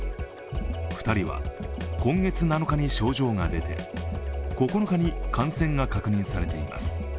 ２人は今月７日に症状が出て、９日に感染が確認されています。